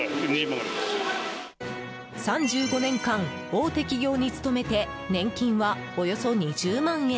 ３５年間、大手企業に勤めて年金はおよそ２０万円。